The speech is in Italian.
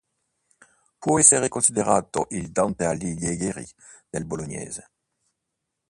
Può essere considerato il Dante Alighieri del bolognese.